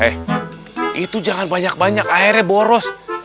eh itu jangan banyak banyak akhirnya boros